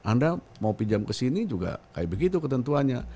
anda mau pinjam kesini juga kayak begitu ketentuanya